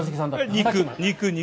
肉、肉。